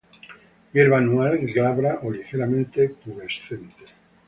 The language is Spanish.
Hierba anual, glabra o ligeramente pubescente.